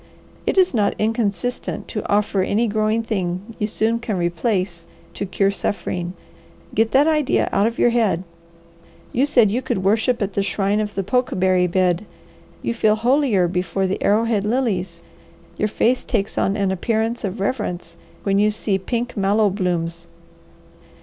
It is not inconsistent to offer any growing thing you soon can replace, to cure suffering. Get that idea out of your head! You said you could worship at the shrine of the pokeberry bed, you feel holier before the arrowhead lilies, your face takes on an appearance of reverence when you see pink mallow blooms.